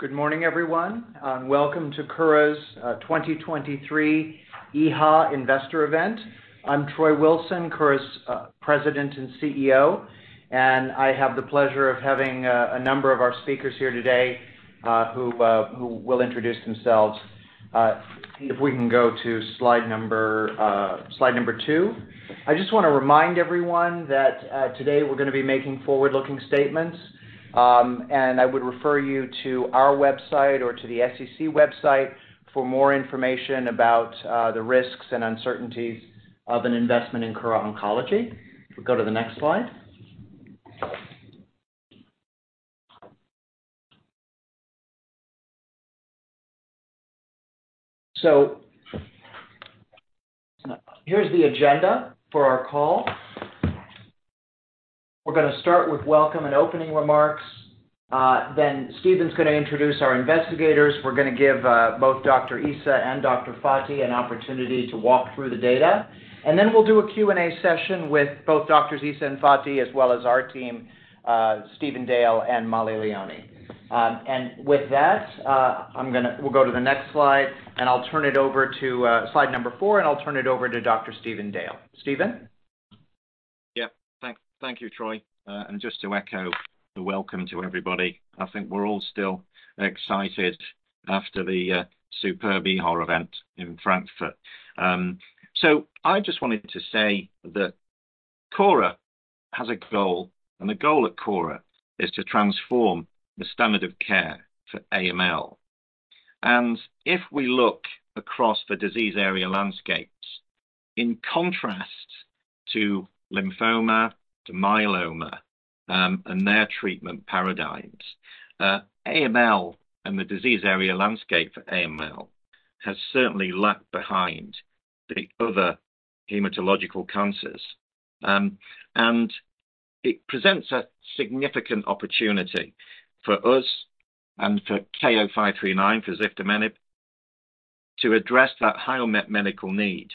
Good morning, everyone, and welcome to Kura's 2023 EHA Investor Event. I'm Troy Wilson, Kura's President and CEO, and I have the pleasure of having a number of our speakers here today who will introduce themselves. If we can go to slide number two. I just want to remind everyone that today we're going to be making forward-looking statements, and I would refer you to our website or to the SEC website for more information about the risks and uncertainties of an investment in Kura Oncology. If we go to the next slide. Here's the agenda for our call. We're going to start with welcome and opening remarks. Stephen's going to introduce our investigators. We're going to give both Dr. Issa and Dr. Fathi an opportunity to walk through the data, and then we'll do a Q&A session with both Drs. Issa and Fathi, as well as our team, Stephen Dale and Mollie Leoni. With that, we'll go to the next slide, and I'll turn it over to slide number four, and I'll turn it over to Dr. Stephen Dale. Stephen? Thank you, Troy. Just to echo the welcome to everybody, I think we're all still excited after the superb EHA event in Frankfurt. I just wanted to say that Kura has a goal, the goal at Kura is to transform the standard of care for AML. If we look across the disease area landscapes, in contrast to lymphoma, to myeloma, and their treatment paradigms, AML and the disease area landscape for AML has certainly lagged behind the other hematological cancers. It presents a significant opportunity for us and for KO-539, for ziftomenib, to address that high unmet medical need.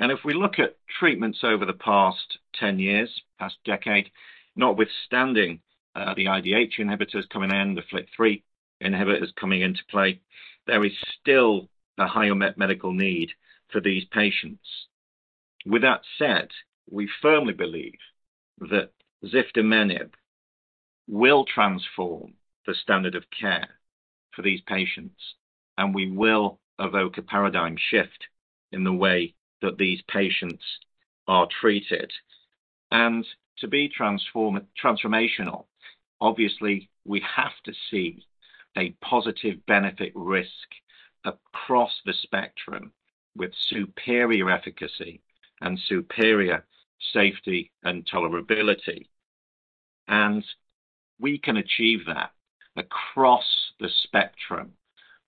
If we look at treatments over the past 10 years, past decade, notwithstanding, the IDH inhibitors coming in, the FLT3 inhibitors coming into play, there is still a high unmet medical need for these patients. With that said, we firmly believe that ziftomenib will transform the standard of care for these patients, and we will evoke a paradigm shift in the way that these patients are treated. To be transformational, obviously, we have to see a positive benefit risk across the spectrum with superior efficacy and superior safety and tolerability. We can achieve that across the spectrum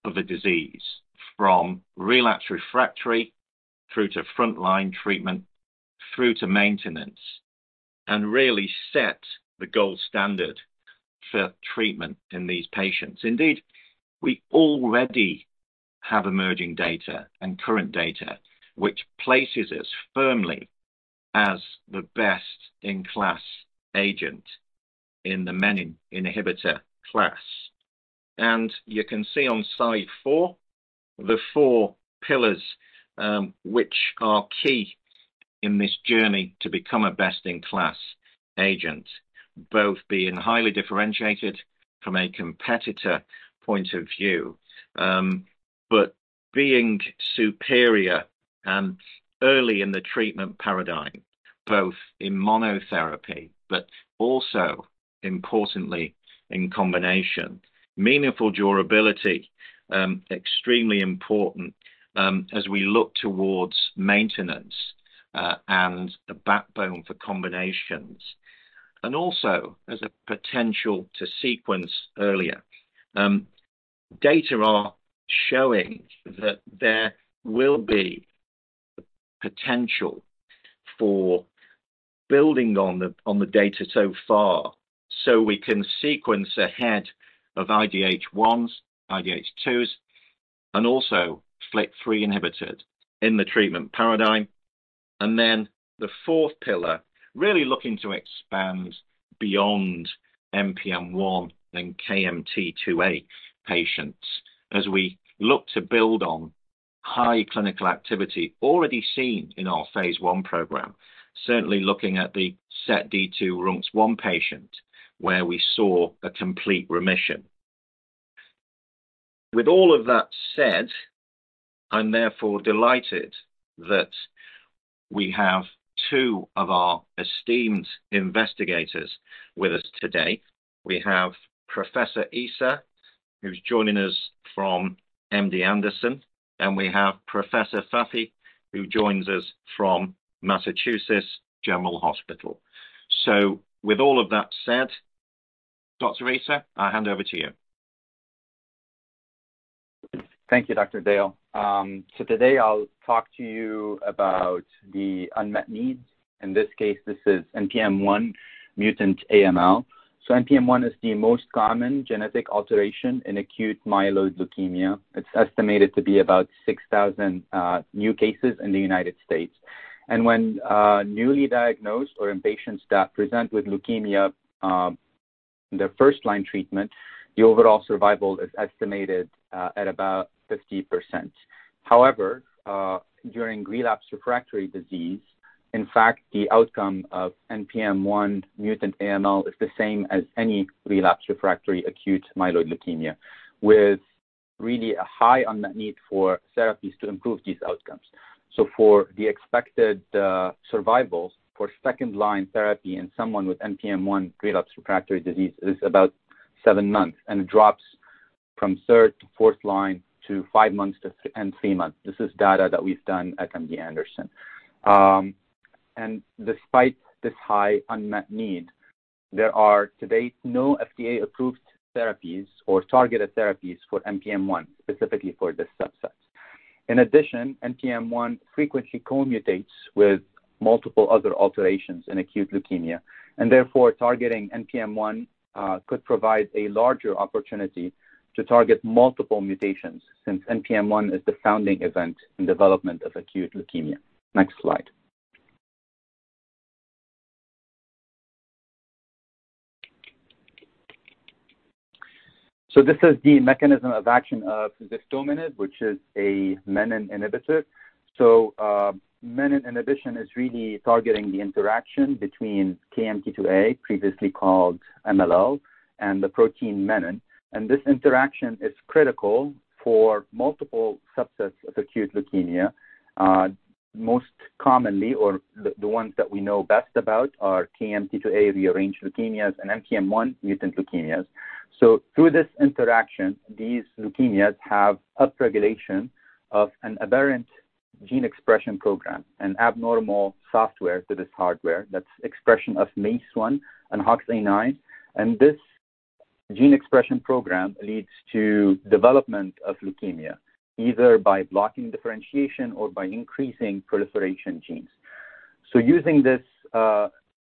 of the disease, from relapse refractory through to frontline treatment, through to maintenance, and really set the gold standard for treatment in these patients. Indeed, we already have emerging data and current data which places us firmly as the best-in-class agent in the menin inhibitor class. You can see on slide four, the four pillars, which are key in this journey to become a best-in-class agent, both being highly differentiated from a competitor point of view, but being superior and early in the treatment paradigm, both in monotherapy but also importantly in combination. Meaningful durability, extremely important, as we look towards maintenance, and a backbone for combinations, and also as a potential to sequence earlier. Data are showing that there will be potential for building on the data so far, so we can sequence ahead of IDH1s, IDH2s, and also FLT3 inhibitors in the treatment paradigm. The 4th pillar, really looking to expand beyond NPM1 and KMT2A patients as we look to build on high clinical activity already seen in our phase I program. Certainly, looking at the SETD2/RUNX1 patient, where we saw a complete remission. With all of that said, I'm therefore delighted that we have two of our esteemed investigators with us today. We have Professor Issa, who's joining us from MD Anderson, and we have Professor Fathi, who joins us from Massachusetts General Hospital. With all of that said, Dr. Issa, I hand over to you. Thank you, Dr. Dale. Today I'll talk to you about the unmet needs. In this case, this is NPM1-mutant AML. NPM1 is the most common genetic alteration in acute myeloid leukemia. It's estimated to be about 6,000 new cases in the United States. When newly diagnosed or in patients that present with leukemia, the first-line treatment, the overall survival is estimated at about 50%. However, during relapsed refractory disease, in fact, the outcome of NPM1-mutant AML is the same as any relapsed refractory acute myeloid leukemia, with really a high unmet need for therapies to improve these outcomes. For the expected survival for second-line therapy in someone with NPM1 relapsed refractory disease is about seven months and drops from third to fourth line to five months to and three months. This is data that we've done at MD Anderson. Despite this high unmet need, there are to date, no FDA-approved therapies or targeted therapies for NPM1, specifically for this subset. In addition, NPM1 frequently co-mutates with multiple other alterations in acute leukemia, therefore, targeting NPM1 could provide a larger opportunity to target multiple mutations since NPM1 is the founding event in development of acute leukemia. Next slide. This is the mechanism of action of ziftomenib, which is a menin inhibitor. Menin inhibition is really targeting the interaction between KMT2A, previously called MLL, and the protein menin. This interaction is critical for multiple subsets of acute leukemia. Most commonly, or the ones that we know best about are KMT2A rearranged leukemias and NPM1 mutant leukemias. Through this interaction, these leukemias have upregulation of an aberrant gene expression program, an abnormal software to this hardware. That's expression of MEIS1 and HOXA9, and this gene expression program leads to development of leukemia, either by blocking differentiation or by increasing proliferation genes. Using this,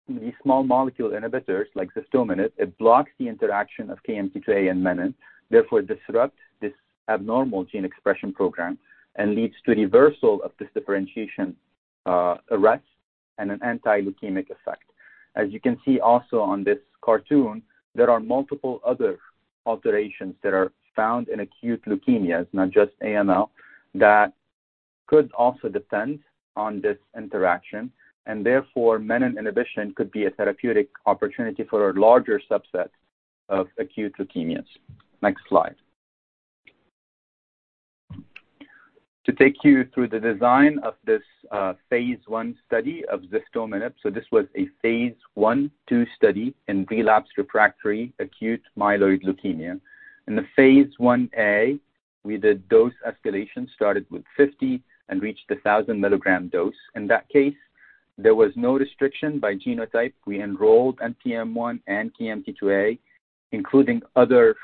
these small molecule inhibitors like ziftomenib, it blocks the interaction of KMT2A and menin, therefore disrupts this abnormal gene expression program and leads to reversal of this differentiation arrest and an anti-leukemic effect. As you can see also on this cartoon, there are multiple other alterations that are found in acute leukemias, not just AML, that could also depend on this interaction, and therefore, menin inhibition could be a therapeutic opportunity for a larger subset of acute leukemias. Next slide. To take you through the design of this phase I study of ziftomenib. This was a phase I, phase II study in relapsed refractory acute myeloid leukemia. In the phase I-A, we did dose escalation, started with 50 and reached a 1,000-milligram dose. In that case, there was no restriction by genotype. We enrolled NPM1 and KMT2A, including other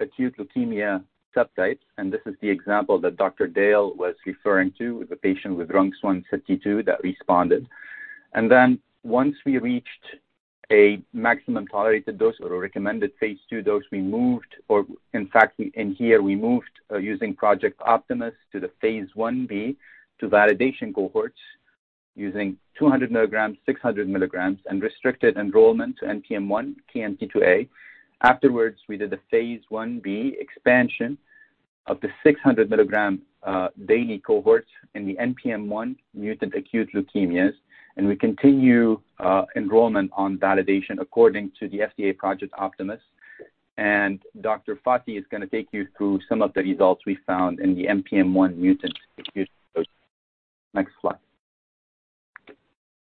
acute leukemia subtypes, and this is the example that Dr. Dale was referring to with a patient with RUNX1 R52 that responded. Once we reached a maximum tolerated dose or a recommended phase II dose, we moved, or in fact, in here we moved using Project Optimus to the phase I-B to validation cohorts using 200 milligrams, 600 milligrams, and restricted enrollment to NPM1, KMT2A. Afterwards, we did a phase I-B expansion of the 600 milligram daily cohorts in the NPM1-mutant acute leukemias, and we continue enrollment on validation according to the FDA Project Optimus. Dr. Fathi is going to take you through some of the results we found in the NPM1-mutant acute. Next slide.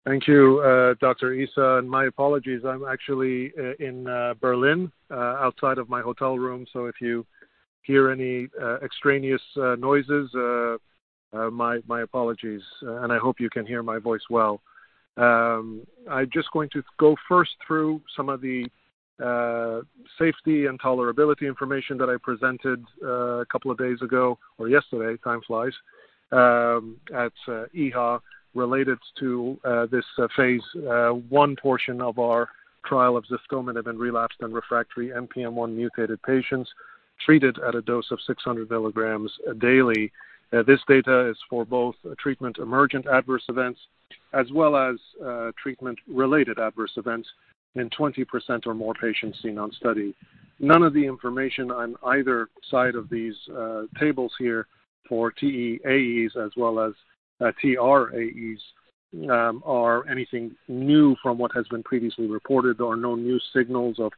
Thank you, Dr. Issa, and my apologies. I'm actually in Berlin, outside of my hotel room, so if you hear any extraneous noises, my apologies, and I hope you can hear my voice well. I just going to go first through some of the safety and tolerability information that I presented a couple of days ago or yesterday, time flies, at EHA, related to this phase I portion of our trial of ziftomenib in relapsed and refractory NPM1-mutated patients treated at a dose of 600 milligrams daily. This data is for both treatment-emergent adverse events as well as treatment-related adverse events in 20% or more patients seen on study. None of the information on either side of these tables here for TEAEs as well as TRAEs are anything new from what has been previously reported. There are no new signals of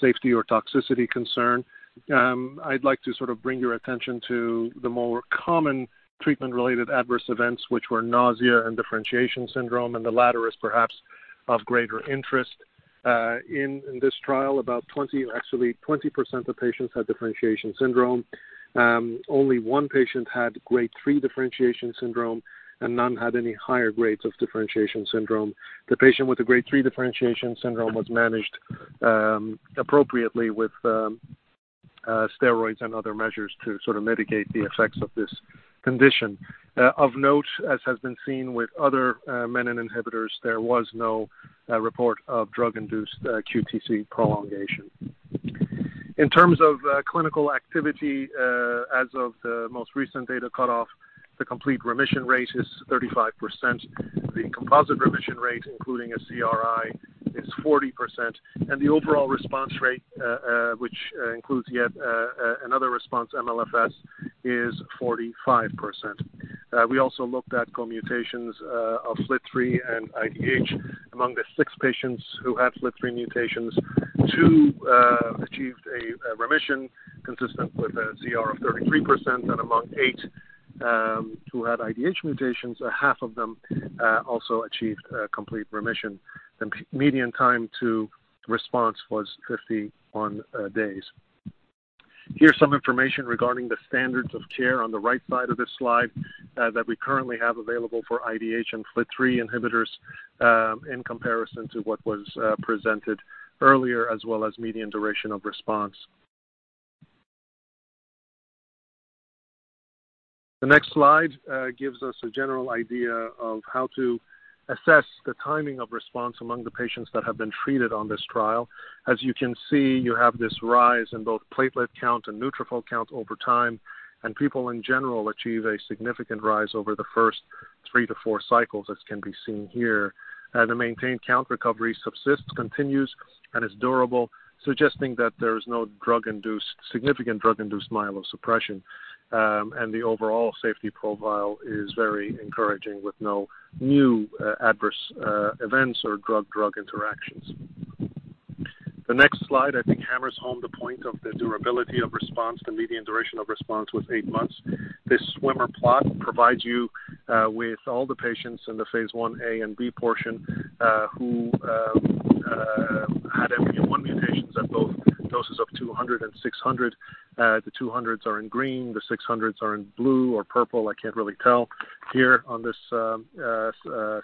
safety or toxicity concern. I'd like to sort of bring your attention to the more common treatment-related adverse events, which were nausea and differentiation syndrome, and the latter is perhaps of greater interest. In this trial, about 20, actually, 20% of patients had differentiation syndrome. Only one patient had Grade 3 differentiation syndrome, and none had any higher grades of differentiation syndrome. The patient with a Grade 3 differentiation syndrome was managed appropriately with steroids and other measures to sort of mitigate the effects of this condition. Of note, as has been seen with other menin inhibitors, there was no report of drug-induced QTc prolongation. In terms of clinical activity, as of the most recent data cutoff, the complete remission rate is 35%. The composite remission rate, including a CRI, is 40%, and the overall response rate, which includes yet another response MLFS, is 45%. We also looked at co-mutations of FLT3 and IDH. Among the 6 patients who had FLT3 mutations, 2 achieved a remission consistent with a CR of 33%, and among 8 who had IDH mutations, a half of them also achieved complete remission. The median time to response was 51 days. Here's some information regarding the standards of care on the right side of this slide, that we currently have available for IDH and FLT3 inhibitors, in comparison to what was presented earlier, as well as median duration of response. The next slide gives us a general idea of how to assess the timing of response among the patients that have been treated on this trial. As you can see, you have this rise in both platelet count and neutrophil count over time, and people in general achieve a significant rise over the first 3-4 cycles, as can be seen here. The maintained count recovery subsists, continues, and is durable, suggesting that there is no significant drug-induced myelosuppression. The overall safety profile is very encouraging, with no new adverse events or drug-drug interactions. The next slide, I think, hammers home the point of the durability of response. The median duration of response was 8 months. This swimmer plot provides you with all the patients in the phase I-A and phase I-B portion who had NPM1 mutations at both doses of 200 and 600. The 200s are in green, the 600s are in blue or purple. I can't really tell here on this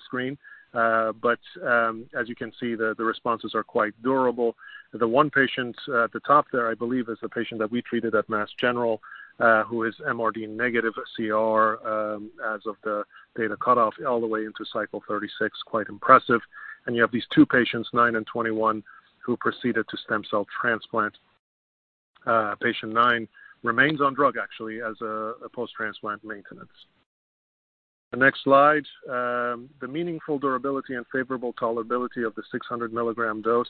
screen. As you can see, the responses are quite durable. The one patient at the top there, I believe, is the patient that we treated at Mass General, who is MRD-negative CR as of the data cutoff all the way into cycle 36. Quite impressive. You have these 2 patients, 9 and 21, who proceeded to stem cell transplant. Patient nine remains on drug, actually, as a post-transplant maintenance. The next slide, the meaningful durability and favorable tolerability of the 600 milligram dose,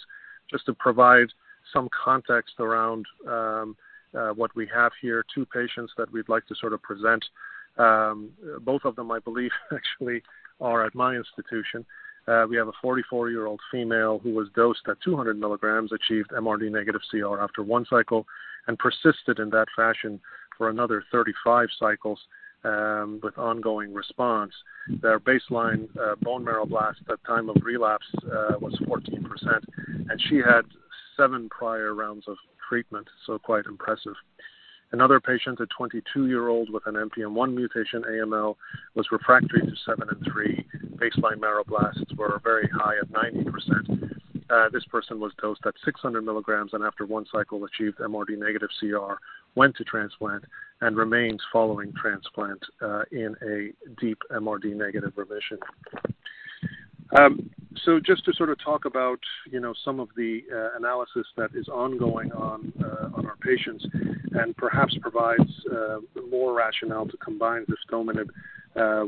just to provide some context around what we have here, two patients that we'd like to sort of present. Both of them, I believe, actually are at my institution. We have a 44-year-old female who was dosed at 200 milligrams, achieved MRD-negative CR after one cycle and persisted in that fashion for another 35 cycles, with ongoing response. Their baseline bone marrow blast at time of relapse was 14%, and she had seven prior rounds of treatment, so quite impressive. Another patient, a 22-year-old with an NPM1 mutation AML, was refractory to 7+3. Baseline marrow blasts were very high at 90%. This person was dosed at 600 milligrams and after one cycle, achieved MRD-negative CR, went to transplant and remains following transplant in a deep MRD-negative remission. Just to sort of talk about, you know, some of the analysis that is ongoing on our patients and perhaps provides more rationale to combine this ziftomenib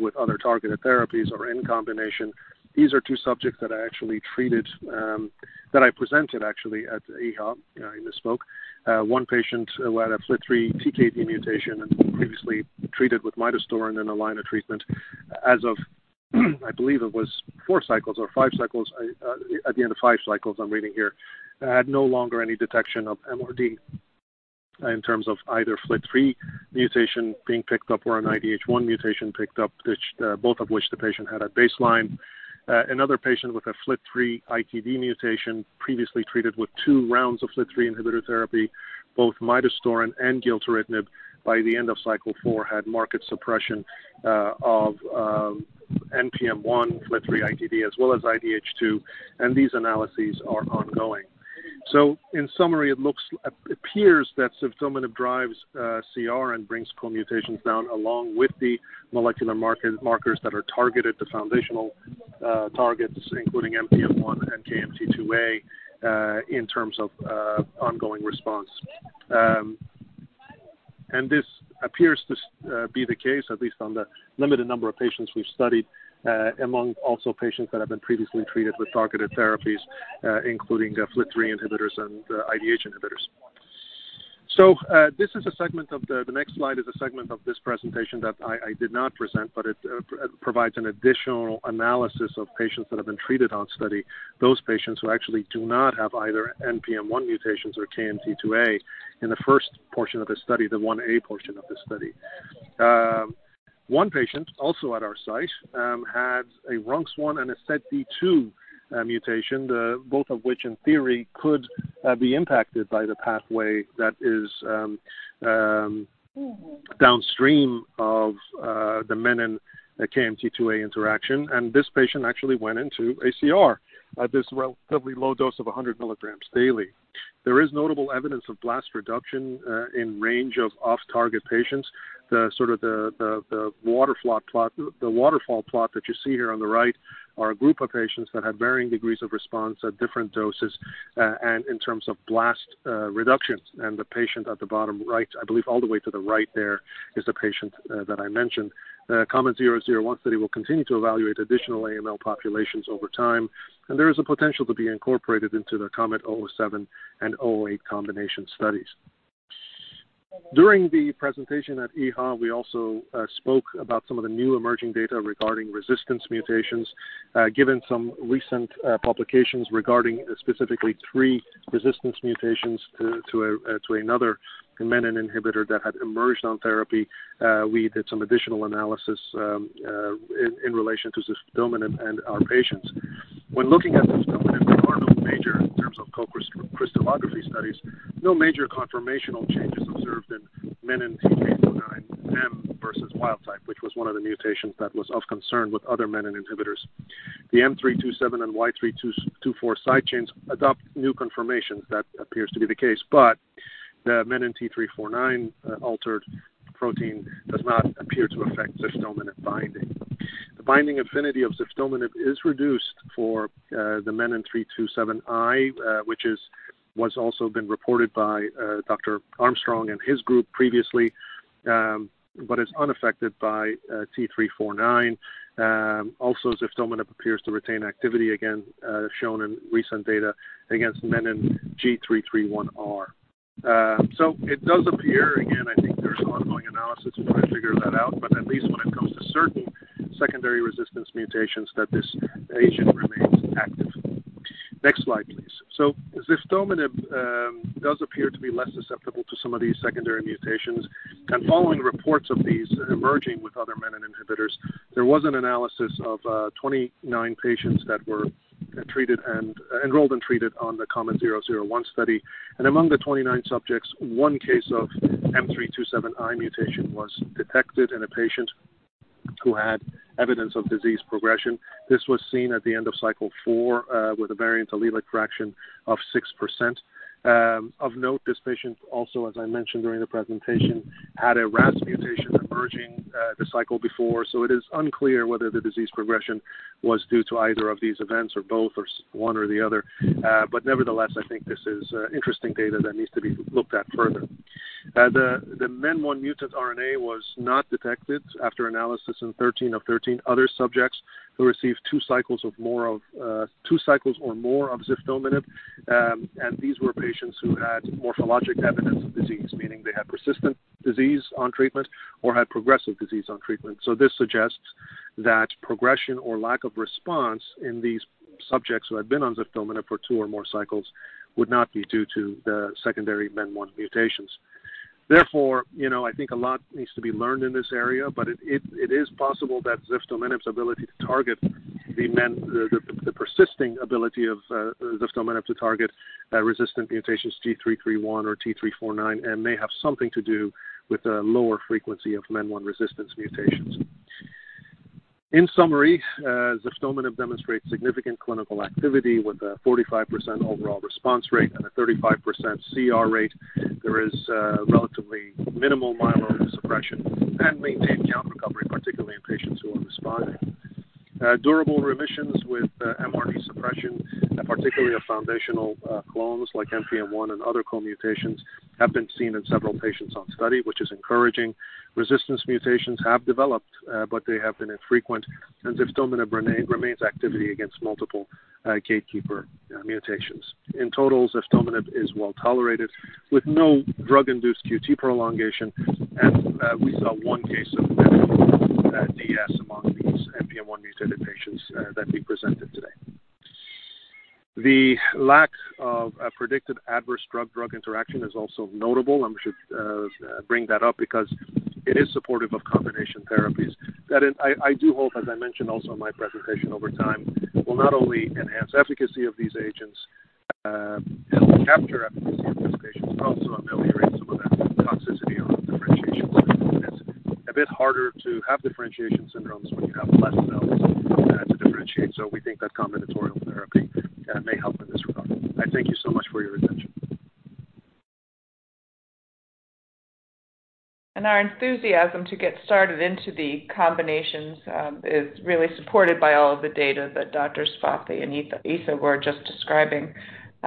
with other targeted therapies or in combination. These are two subjects that I actually treated, that I presented actually at EHA in the spoke. One patient who had a FLT3 TKD mutation and previously treated with midostaurin in a line of treatment. As of, I believe it was four cycles or five cycles, at the end of five cycles, I'm reading here, had no longer any detection of MRD in terms of either FLT3 mutation being picked up or an IDH1 mutation picked up, both of which the patient had at baseline. Another patient with a FLT3-ITD mutation, previously treated with two rounds of FLT3 inhibitor therapy, both midostaurin and gilteritinib, by the end of cycle 4, had marked suppression of NPM1, FLT3-ITD, as well as IDH2, and these analyses are ongoing. In summary, it looks, appears that ziftomenib drives CR and brings co-mutations down along with the molecular markers that are targeted, the foundational targets, including NPM1 and KMT2A, in terms of ongoing response. This appears to be the case, at least on the limited number of patients we've studied, among also patients that have been previously treated with targeted therapies, including the FLT3 inhibitors and IDH inhibitors. This is a segment of the next slide is a segment of this presentation that I did not present, but it provides an additional analysis of patients that have been treated on study. Those patients who actually do not have either NPM1 mutations or KMT2A in the first portion of the study, the 1A portion of the study. One patient, also at our site, had a RUNX1 and a SETD2 mutation, both of which, in theory, could be impacted by the pathway that is downstream of the menin-KMT2A interaction, and this patient actually went into ACR at this relatively low dose of 100 milligrams daily. There is notable evidence of blast reduction in range of off-target patients. The waterfall plot that you see here on the right are a group of patients that have varying degrees of response at different doses and in terms of blast reductions. The patient at the bottom right, I believe all the way to the right there, is the patient that I mentioned. The KOMET-001 study will continue to evaluate additional AML populations over time, and there is a potential to be incorporated into the KOMET-007 and KOMET-008 combination studies. During the presentation at EHA, we also spoke about some of the new emerging data regarding resistance mutations. Given some recent publications regarding specifically 3 resistance mutations to a, to another menin inhibitor that had emerged on therapy, we did some additional analysis in relation to ziftomenib and our patients. When looking at ziftomenib, there are no major in terms of co-crystallography studies, no major conformational changes observed in menin T349M versus wild type, which was one of the mutations that was of concern with other menin inhibitors. The M327 and Y324 side chains adopt new conformations. That appears to be the case, the menin T349 altered protein does not appear to affect ziftomenib binding. The binding affinity of ziftomenib is reduced for the menin M327I, which was also been reported by Dr. Armstrong and his group previously, but is unaffected by T349. Also, ziftomenib appears to retain activity again, shown in recent data against menin G331R. It does appear, again, I think there's ongoing analysis to try to figure that out, but at least when it comes to certain secondary resistance mutations, that this agent remains active. Next slide, please. ziftomenib does appear to be less susceptible to some of these secondary mutations, and following reports of these emerging with other menin inhibitors, there was an analysis of 29 patients that were treated and enrolled and treated on the KOMET-001 study. Among the 29 subjects, one case of M327I mutation was detected in a patient who had evidence of disease progression. This was seen at the end of cycle 4, with a variant allelic fraction of 6%. Of note, this patient also, as I mentioned during the presentation, had a RAS mutation emerging the cycle before, so it is unclear whether the disease progression was due to either of these events, or both, or one or the other. Nevertheless, I think this is interesting data that needs to be looked at further. The MEN1 mutant RNA was not detected after analysis in 13 of 13 other subjects who received two cycles or more of ziftomenib. These were patients who had morphologic evidence of disease, meaning they had persistent disease on treatment or had progressive disease on treatment. This suggests that progression or lack of response in these subjects who had been on ziftomenib for two or more cycles would not be due to the secondary MEN1 mutations. You know, I think a lot needs to be learned in this area, but it is possible that ziftomenib's ability to target the persisting ability of ziftomenib to target resistant mutations G331 or T349, and may have something to do with the lower frequency of MEN1 resistance mutations. In summary, ziftomenib demonstrates significant clinical activity with a 45% overall response rate and a 35% CR rate. There is relatively minimal myelosuppression and maintained count recovery, particularly in patients who are responding. Durable remissions with MRD suppression, particularly of foundational clones like NPM1 and other co-mutations, have been seen in several patients on study, which is encouraging. Resistance mutations have developed, but they have been infrequent, and ziftomenib remains activity against multiple gatekeeper mutations. In total, ziftomenib is well tolerated with no drug-induced QT prolongation. We saw one case of DS among these NPM1-mutated patients that we presented today. The lack of a predicted adverse drug-drug interaction is also notable. I should bring that up because it is supportive of combination therapies. That is, I do hope, as I mentioned also in my presentation over time, will not only enhance efficacy of these agents, and capture efficacy of these patients, but also ameliorate some of that toxicity on differentiation syndrome. It's a bit harder to have differentiation syndromes when you have less cells to differentiate. We think that combinatorial therapy may help in this regard. I thank you so much for your attention. Our enthusiasm to get started into the combinations is really supported by all of the data that Drs. Fathi and Issa were just describing.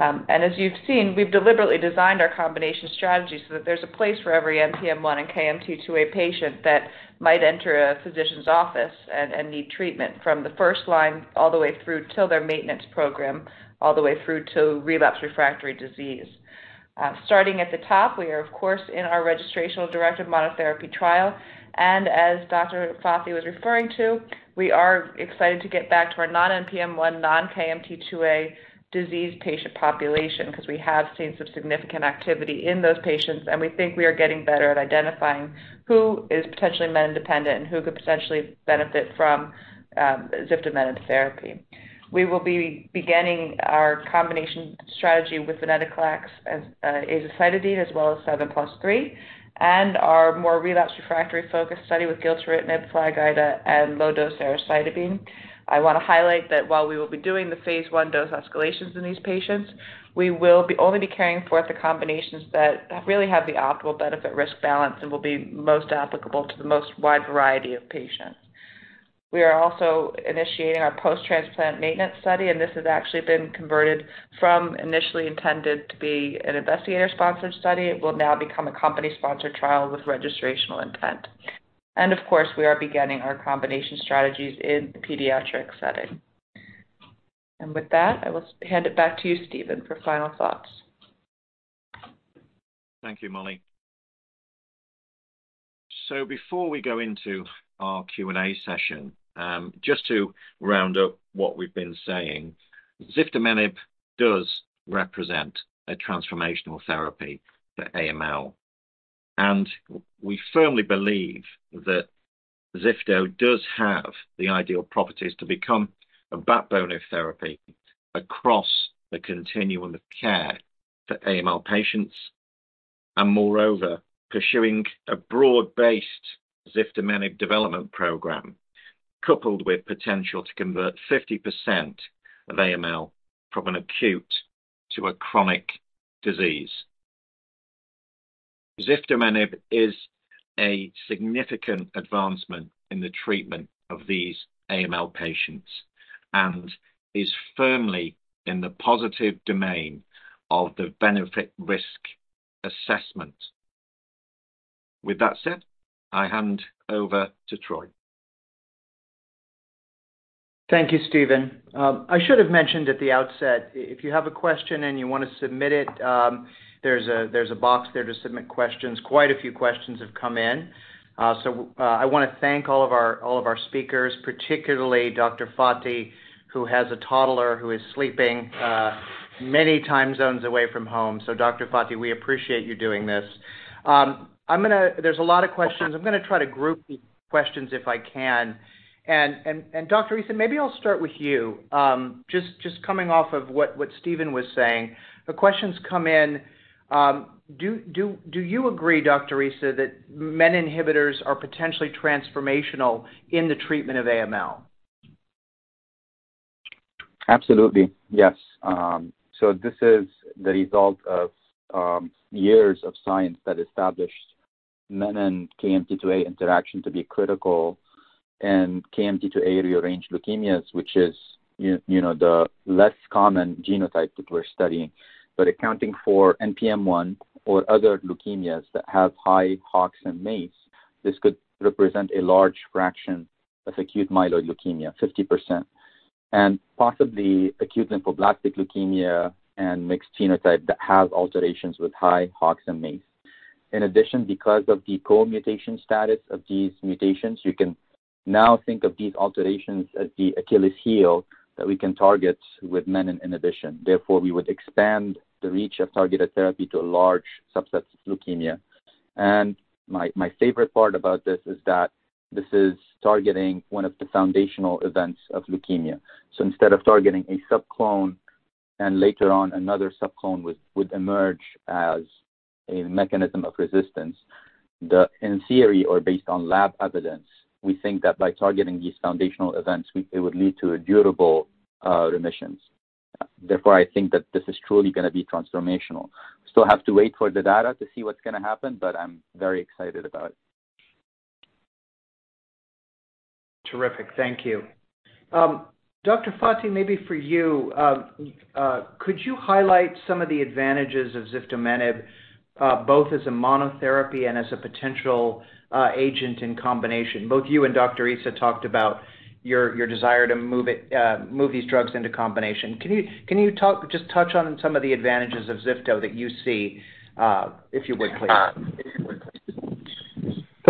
As you've seen, we've deliberately designed our combination strategy so that there's a place for every NPM1 and KMT2A patient that might enter a physician's office and need treatment from the first line all the way through till their maintenance program, all the way through to relapse refractory disease. Starting at the top, we are, of course, in our registrational directed monotherapy trial, and as Dr. Fathi was referring to, we are excited to get back to our non-NPM1, non-KMT2A disease patient population because we have seen some significant activity in those patients, and we think we are getting better at identifying who is potentially menin-dependent and who could potentially benefit from ziftomenib therapy. We will be beginning our combination strategy with venetoclax and azacytidine, as well as 7+3, and our more relapse refractory focused study with gilteritinib, XOSPATA, and low-dose azacytidine. I want to highlight that while we will be doing the phase I dose escalations in these patients, we will only be carrying forth the combinations that really have the optimal benefit-risk balance and will be most applicable to the most wide variety of patients. We are also initiating our post-transplant maintenance study, and this has actually been converted from initially intended to be an investigator-sponsored study. It will now become a company-sponsored trial with registrational intent. Of course, we are beginning our combination strategies in the pediatric setting. With that, I will hand it back to you, Stephen, for final thoughts. Thank you, Mollie. Before we go into our Q&A session, just to round up what we've been saying, ziftomenib does represent a transformational therapy for AML, and we firmly believe that ziftomenib does have the ideal properties to become a backbone of therapy across the continuum of care for AML patients and moreover, pursuing a broad-based ziftomenib development program, coupled with potential to convert 50% of AML from an acute to a chronic disease. ziftomenib is a significant advancement in the treatment of these AML patients and is firmly in the positive domain of the benefit-risk assessment. With that said, I hand over to Troy. Thank you, Stephen. I should have mentioned at the outset, if you have a question and you want to submit it, there's a box there to submit questions. Quite a few questions have come in. I want to thank all of our speakers, particularly Dr. Fathi, who has a toddler who is sleeping, many time zones away from home. Dr. Fathi, we appreciate you doing this. There's a lot of questions. I'm gonna try to group the questions if I can. Dr. Issa, maybe I'll start with you. Just coming off of what Stephen was saying, the questions come in, do you agree, Dr. Issa, that menin inhibitors are potentially transformational in the treatment of AML? Absolutely, yes. This is the result of years of science that established menin and KMT2A interaction to be critical, and KMT2A-rearranged leukemias, which is, you know, the less common genotype that we're studying. Accounting for NPM1 or other leukemias that have high HOXA and MEIS1, this could represent a large fraction of acute myeloid leukemia, 50%, and possibly acute lymphoblastic leukemia and mixed genotype that have alterations with high HOXA and MEIS1. In addition, because of the co-mutation status of these mutations, you can now think of these alterations as the Achilles heel that we can target with menin inhibition. Therefore, we would expand the reach of targeted therapy to a large subset of leukemia. My favorite part about this is that this is targeting one of the foundational events of leukemia. Instead of targeting a subclone, and later on another subclone would emerge as a mechanism of resistance. In theory or based on lab evidence, we think that by targeting these foundational events, it would lead to durable remissions. Therefore, I think that this is truly gonna be transformational. We still have to wait for the data to see what's gonna happen, but I'm very excited about it. Terrific. Thank you. Dr. Fathi, maybe for you, could you highlight some of the advantages of ziftomenib, both as a monotherapy and as a potential agent in combination? Both you and Dr. Issa talked about your desire to move it, move these drugs into combination. Can you just touch on some of the advantages of ziftomenib that you see, if you would, please?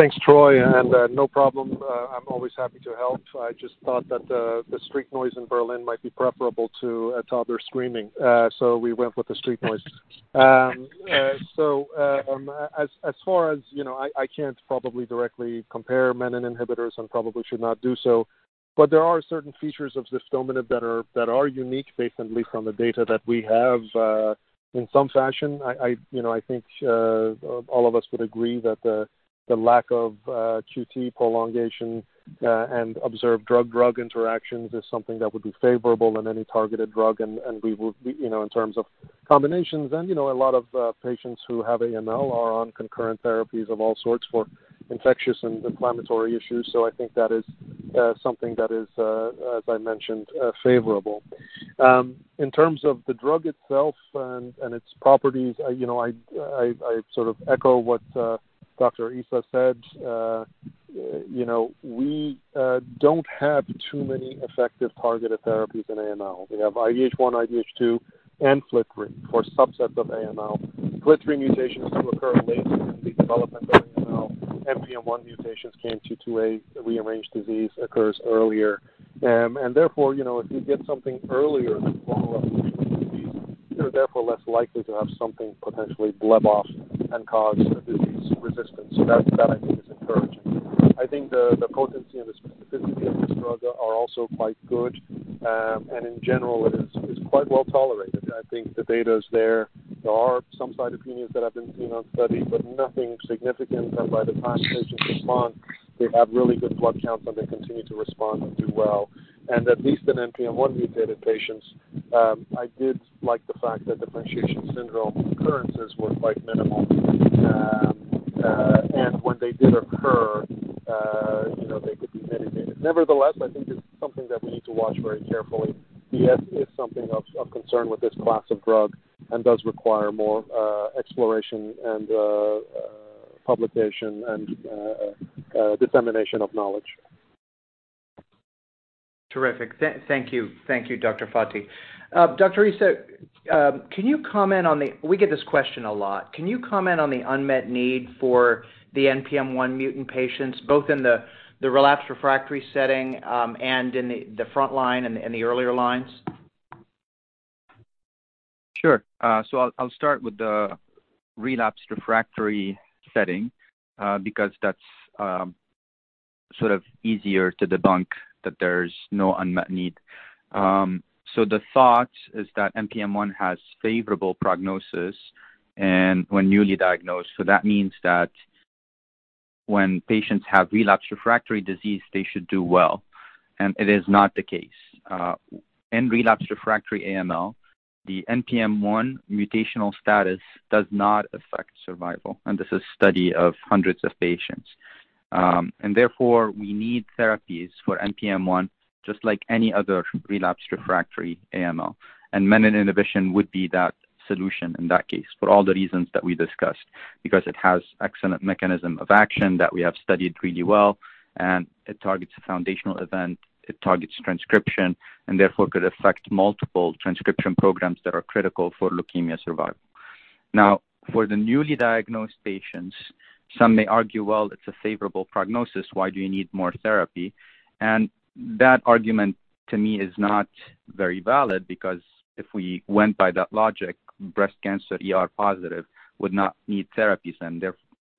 Thanks, Troy, and no problem. I'm always happy to help. I just thought that the street noise in Berlin might be preferable to a toddler screaming, so we went with the street noise. As far as you know, I can't probably directly compare menin inhibitors and probably should not do so, but there are certain features of ziftomenib that are unique, based only from the data that we have. In some fashion, I, you know, I think all of us would agree that the lack of QT prolongation and observed drug-drug interactions is something that would be favorable in any targeted drug. We would be, you know, in terms of combinations and, you know, a lot of patients who have AML are on concurrent therapies of all sorts for infectious and inflammatory issues. I think that is something that is, as I mentioned, favorable. In terms of the drug itself and its properties, you know, I sort of echo what Dr. Issa said. You know, we don't have too many effective targeted therapies in AML. We have IDH1, IDH2, and FLT3 for subsets of AML. FLT3 mutations do occur later in the development of AML. NPM1 mutations, KMT2A, rearranged disease occurs earlier. Therefore, you know, if you get something earlier in the course of the disease, you're therefore less likely to have something potentially bleb off and cause a disease resistance. That, I think, is encouraging. I think the potency and the specificity of this drug are also quite good, and in general, it is quite well tolerated. I think the data is there. There are some cytopenias that have been seen on study, but nothing significant. By the time patients respond, they have really good blood counts, and they continue to respond and do well. At least in NPM1-mutated patients, I did like the fact that differentiation syndrome occurrences were quite minimal. And when they did occur, you know, they could be mitigated. Nevertheless, I think it's something that we need to watch very carefully. Yes, it's something of concern with this class of drug and does require more exploration and publication and dissemination of knowledge. Terrific. Thank you. Thank you, Dr. Fathi. Dr. Issa, we get this question a lot. Can you comment on the unmet need for the NPM1 mutant patients, both in the relapsed refractory setting, and in the frontline and in the earlier lines? Sure. I'll start with the relapsed refractory setting because that's sort of easier to debunk that there's no unmet need. The thought is that NPM1 has favorable prognosis and when newly diagnosed, so that means that when patients have relapsed refractory disease, they should do well. It is not the case. In relapsed refractory AML, the NPM1 mutational status does not affect survival. This is study of hundreds of patients. Therefore, we need therapies for NPM1, just like any other relapsed refractory AML. Menin inhibition would be that solution in that case, for all the reasons that we discussed, because it has excellent mechanism of action that we have studied really well, and it targets a foundational event, it targets transcription, and therefore, could affect multiple transcription programs that are critical for leukemia survival. For the newly diagnosed patients, some may argue, "Well, it's a favorable prognosis. Why do you need more therapy?" That argument, to me, is not very valid because if we went by that logic, breast cancer ER positive would not need therapies,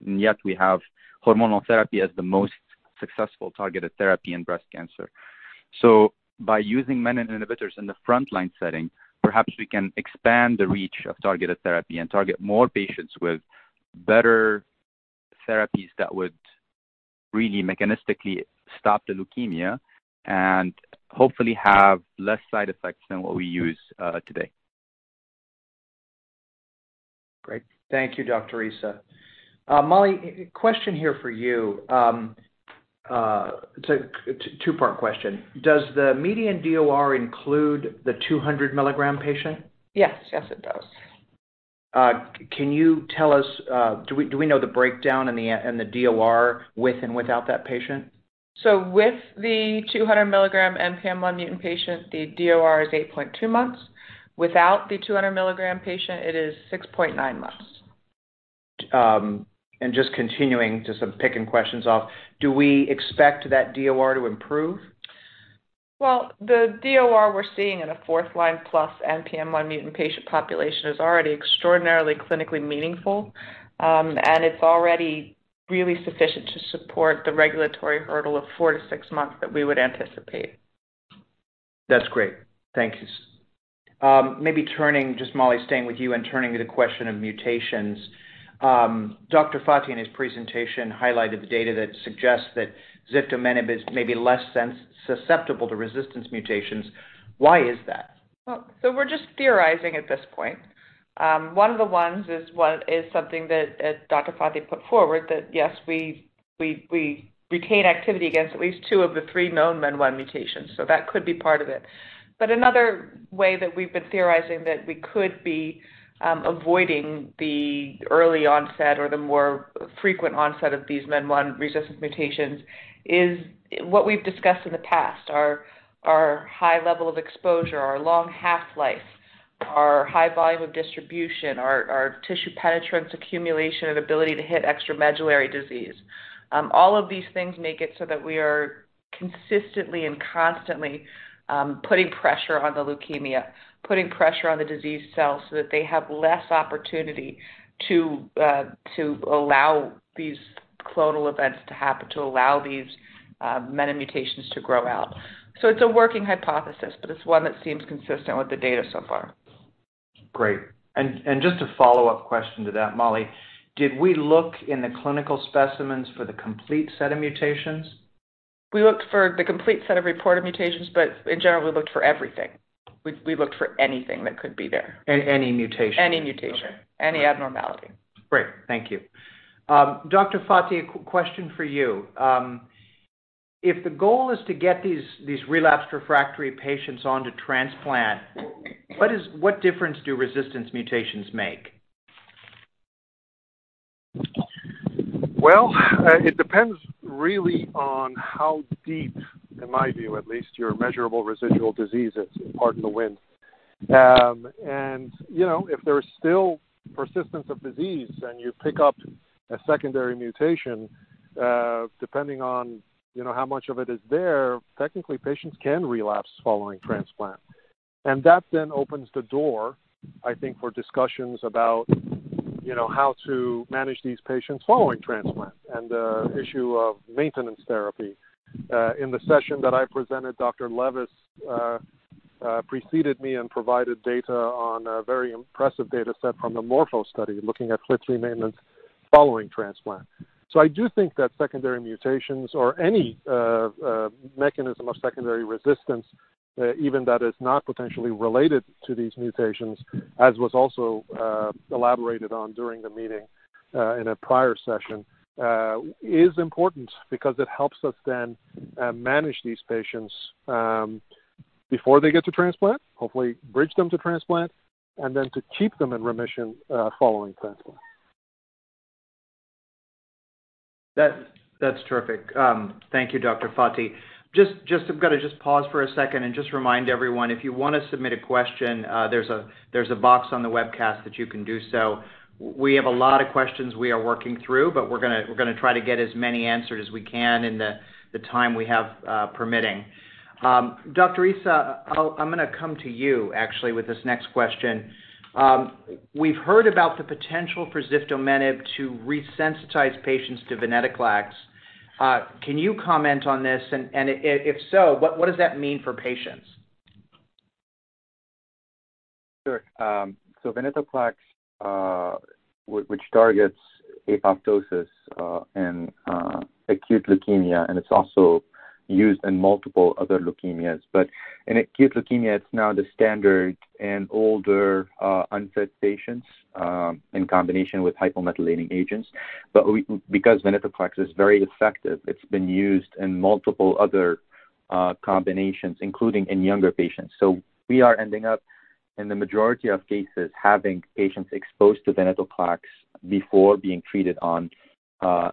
yet we have hormonal therapy as the most successful targeted therapy in breast cancer. By using menin inhibitors in the frontline setting, perhaps we can expand the reach of targeted therapy and target more patients with better therapies that would really mechanistically stop the leukemia and hopefully have less side effects than what we use today. Great. Thank you, Dr. Issa. Mollie, question here for you. It's a two-part question. Does the median DOR include the 200 milligram patient? Yes. Yes, it does. can you tell us, do we know the breakdown in the DOR with and without that patient? With the 200 milligram NPM1 mutant patient, the DOR is 8.2 months. Without the 200 milligram patient, it is 6.9 months. Just continuing to some picking questions off, do we expect that DOR to improve? Well, the DOR we're seeing in a fourth-line plus NPM1 mutant patient population is already extraordinarily clinically meaningful, it's already really sufficient to support the regulatory hurdle of 4-6 months that we would anticipate. That's great. Thank you. Maybe turning, just Mollie, staying with you and turning to the question of mutations. Dr. Fathi, in his presentation, highlighted the data that suggests that ziftomenib is maybe less susceptible to resistance mutations. Why is that? We're just theorizing at this point. One of the ones is one, is something that Dr. Fathi put forward, that yes, we retain activity against at least two of the three known menin mutations, so that could be part of it. Another way that we've been theorizing that we could be avoiding the early onset or the more frequent onset of these menin resistance mutations is what we've discussed in the past, our high level of exposure, our long half-life, our high volume of distribution, our tissue penetrance, accumulation, and ability to hit extramedullary disease. All of these things make it so that we are consistently and constantly, putting pressure on the leukemia, putting pressure on the disease cells so that they have less opportunity to allow these clonal events to happen, to allow these menin mutations to grow out. It's a working hypothesis, but it's one that seems consistent with the data so far. Great. Just a follow-up question to that, Mollie. Did we look in the clinical specimens for the complete set of mutations? We looked for the complete set of reported mutations. In general, we looked for everything. We looked for anything that could be there. Any mutation? Any mutation. Okay. Any abnormality. Great. Thank you. Dr. Fathi, a question for you. If the goal is to get these relapsed refractory patients onto transplant, what difference do resistance mutations make? It depends really on how deep, in my view, at least, your measurable residual disease is. Pardon the wind. You know, if there's still persistence of disease and you pick up a secondary mutation, depending on, you know, how much of it is there, technically, patients can relapse following transplant. That then opens the door, I think, for discussions about, you know, how to manage these patients following transplant and the issue of maintenance therapy. In the session that I presented, Dr. Levis preceded me and provided data on a very impressive data set from the MORPHO study, looking at CLTS maintenance following transplant. I do think that secondary mutations or any mechanism of secondary resistance, even that is not potentially related to these mutations, as was also elaborated on during the meeting, in a prior session, is important because it helps us then manage these patients before they get to transplant, hopefully bridge them to transplant, and then to keep them in remission following transplant. That's terrific. Thank you, Dr. Fathi. I've got to pause for a second and remind everyone, if you want to submit a question, there's a box on the webcast that you can do so. We have a lot of questions we are working through, but we're gonna try to get as many answered as we can in the time we have permitting. Dr. Issa, I'm gonna come to you actually, with this next question. We've heard about the potential for ziftomenib to resensitize patients to venetoclax. Can you comment on this? If so, what does that mean for patients? Sure. venetoclax, which targets apoptosis, in acute leukemia, and it's also used in multiple other leukemias. In acute leukemia, it's now the standard in older, unfit patients, in combination with hypomethylating agents. Because venetoclax is very effective, it's been used in multiple other combinations, including in younger patients. We are ending up, in the majority of cases, having patients exposed to venetoclax before being treated on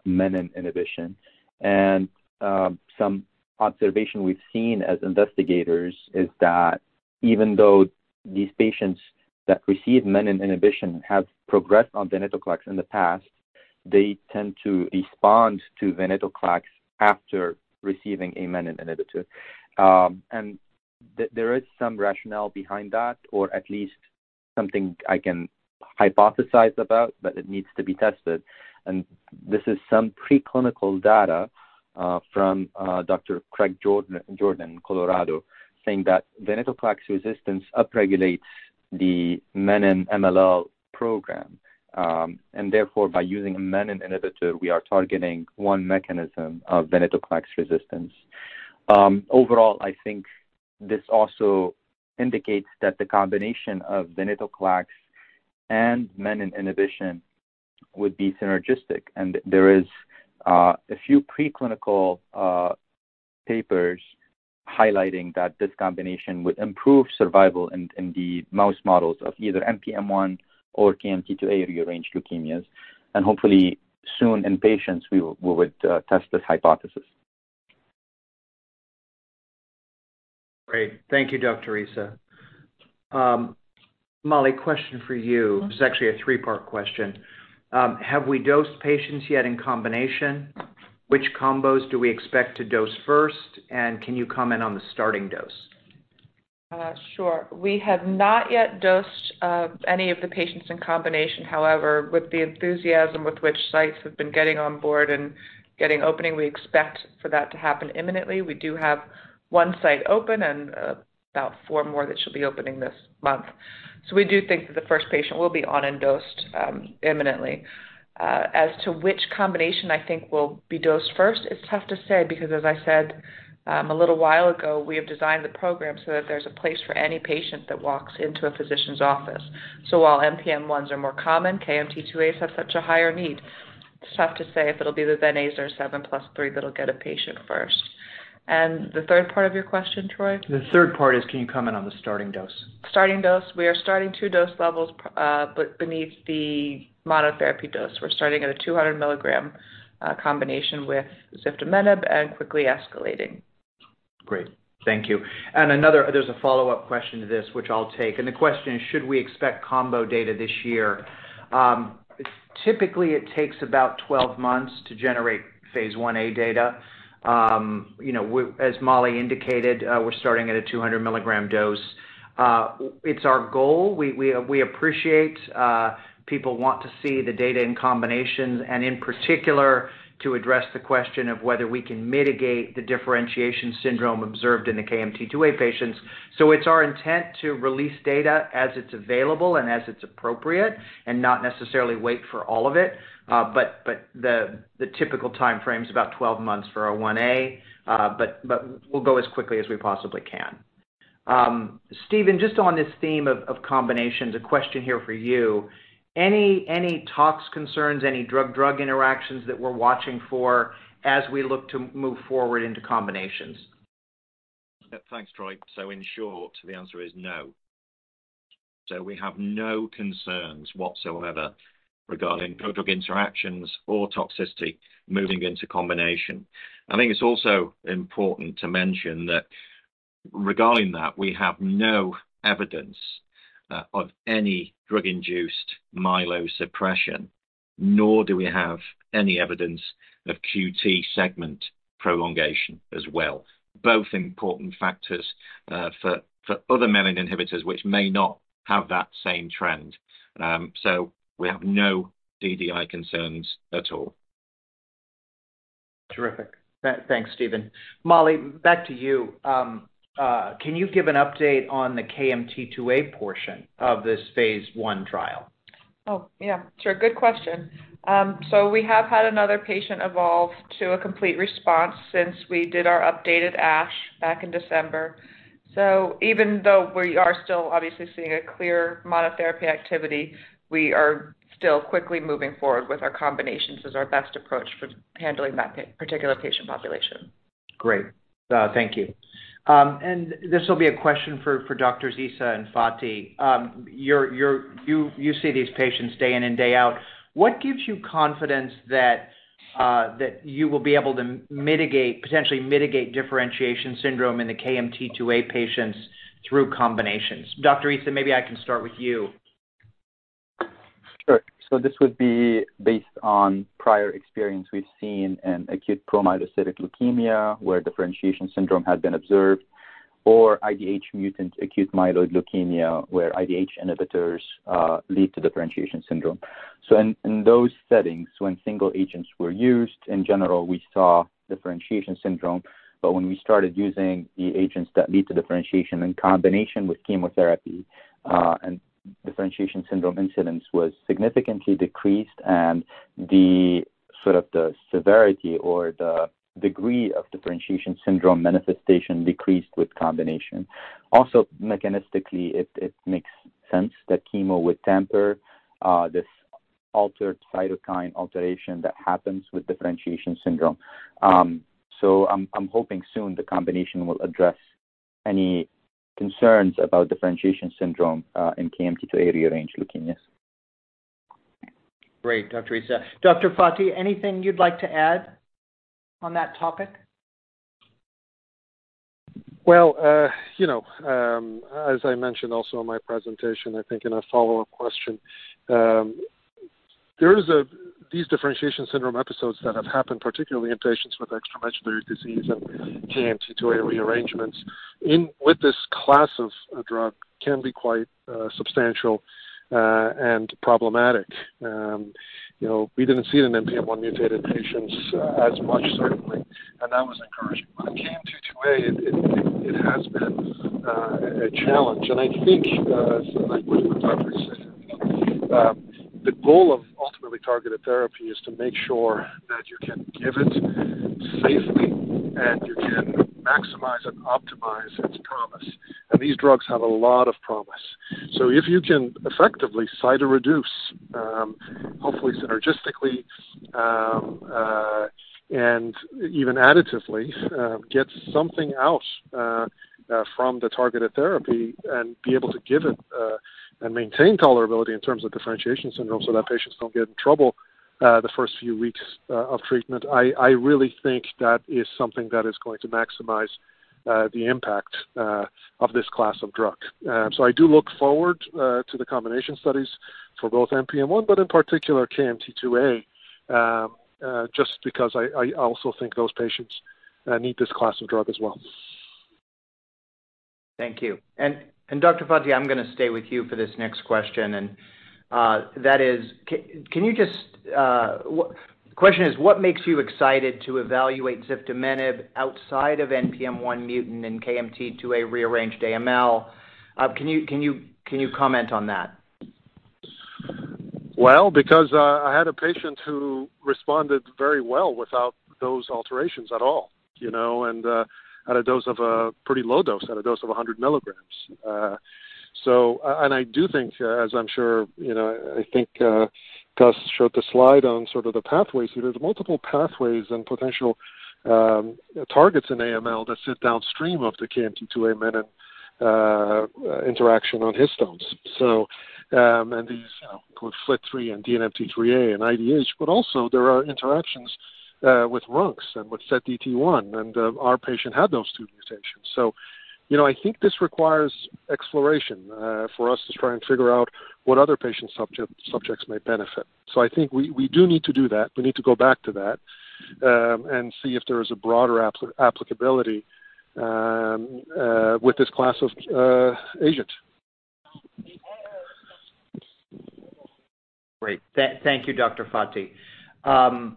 menin inhibition. Some observation we've seen as investigators is that even though these patients that receive menin inhibition have progressed on venetoclax in the past, they tend to respond to venetoclax after receiving a menin inhibitor. There is some rationale behind that, or at least something I can hypothesize about, but it needs to be tested. This is some preclinical data from Dr. Craig Jordan, Colorado, saying that venetoclax resistance upregulates the menin MLL program. Therefore, by using a menin inhibitor, we are targeting one mechanism of venetoclax resistance. Overall, I think this also indicates that the combination of venetoclax and menin inhibition would be synergistic. There is a few preclinical papers highlighting that this combination would improve survival in the mouse models of either NPM1 or KMT2A rearranged leukemias. Hopefully, soon in patients, we would test this hypothesis. Great. Thank you, Dr. Issa. Mollie, question for you. Mm-hmm. It's actually a three-part question. Have we dosed patients yet in combination? Which combos do we expect to dose first? Can you comment on the starting dose? Sure. We have not yet dosed any of the patients in combination. With the enthusiasm with which sites have been getting on board and getting opening, we expect for that to happen imminently. We do have one site open and about four more that should be opening this month. We do think that the first patient will be on and dosed imminently. As to which combination I think will be dosed first, it's tough to say because as I said a little while ago, we have designed the program so that there's a place for any patient that walks into a physician's office. While NPM1s are more common, KMT2As have such a higher need. It's tough to say if it'll be the venetoclax/azacytidine or 7+3 that'll get a patient first. The third part of your question, Troy? The third part is, can you comment on the starting dose? Starting dose. We are starting 2 dose levels, beneath the monotherapy dose. We're starting at a 200 mg combination with ziftomenib and quickly escalating. Great. Thank you. There's a follow-up question to this, which I'll take. The question is, should we expect combo data this year? Typically, it takes about 12 months to generate phase I-A data. you know, as Mollie indicated, we're starting at a 200 milligram dose. It's our goal. We appreciate people want to see the data in combination, and in particular, to address the question of whether we can mitigate the differentiation syndrome observed in the KMT2A patients. It's our intent to release data as it's available and as it's appropriate, and not necessarily wait for all of it. The typical timeframe is about 12 months for our 1a, but we'll go as quickly as we possibly can. Stephen, just on this theme of combinations, a question here for you. Any tox concerns, any drug-drug interactions that we're watching for as we look to move forward into combinations? Thanks, Troy. In short, the answer is no. We have no concerns whatsoever regarding drug interactions or toxicity moving into combination. I think it's also important to mention that regarding that, we have no evidence of any drug-induced myelosuppression, nor do we have any evidence of QT segment prolongation as well. Both important factors for other menin inhibitors, which may not have that same trend. We have no DDI concerns at all. Terrific. Thanks, Stephen. Mollie, back to you. Can you give an update on the KMT2A portion of this phase I trial? Yeah, sure. Good question. We have had another patient evolve to a complete response since we did our updated ASH back in December. Even though we are still obviously seeing a clear monotherapy activity, we are still quickly moving forward with our combinations as our best approach for handling that particular patient population. Great. Thank you. This will be a question for Dr. Issa and Dr. Fathi. You see these patients day in and day out. What gives you confidence that you will be able to mitigate, potentially mitigate differentiation syndrome in the KMT2A patients through combinations? Dr. Issa, maybe I can start with you. Sure. This would be based on prior experience we've seen in acute promyelocytic leukemia, where differentiation syndrome has been observed, or IDH mutant acute myeloid leukemia, where IDH inhibitors lead to differentiation syndrome. In those settings, when single agents were used, in general, we saw differentiation syndrome. When we started using the agents that lead to differentiation in combination with chemotherapy, and differentiation syndrome incidence was significantly decreased, and the sort of the severity or the degree of differentiation syndrome manifestation decreased with combination. Also, mechanistically, it makes sense that chemo would temper this altered cytokine alteration that happens with differentiation syndrome. I'm hoping soon the combination will address any concerns about differentiation syndrome in KMT2A rearranged leukemias. Great, Dr. Issa. Dr. Fathi, anything you'd like to add on that topic? Well, you know, as I mentioned also in my presentation, I think in a follow-up question, there is these differentiation syndrome episodes that have happened, particularly in patients with extramedullary disease and KMT2A rearrangements, in, with this class of drug, can be quite substantial and problematic. You know, we didn't see it in NPM1 mutated patients as much, certainly, and that was encouraging. In KMT2A, it has been a challenge, and I think, like what Dr. Issa said, the goal of ultimately targeted therapy is to make sure that you can give it safely, and you can maximize and optimize its promise. These drugs have a lot of promise. If you can effectively cytoreduce, hopefully synergistically, and even additively, get something out from the targeted therapy and be able to give it and maintain tolerability in terms of differentiation syndrome, so that patients don't get in trouble the first few weeks of treatment. I really think that is something that is going to maximize the impact of this class of drug. I do look forward to the combination studies for both NPM1, but in particular KMT2A, just because I also think those patients need this class of drug as well. Thank you. Dr. Fathi, I'm gonna stay with you for this next question, and that is: The question is, what makes you excited to evaluate ziftomenib outside of NPM1-mutant and KMT2A rearranged AML? Can you comment on that? Well, because I had a patient who responded very well without those alterations at all, you know, and at a dose of a pretty low dose, at a dose of 100 milligrams. I do think, as I'm sure, you know, I think Gus showed the slide on sort of the pathways. There's multiple pathways and potential targets in AML that sit downstream of the menin-KMT2A interaction on histones. These called FLT3 and DNMT3A and IDH, but also there are interactions with RUNX and with SETD1, and our patient had those two mutations. You know, I think this requires exploration for us to try and figure out what other patient subjects may benefit. I think we do need to do that. We need to go back to that, and see if there is a broader applicability, with this class of agent. Great. Thank you, Dr. Fathi. Mollie,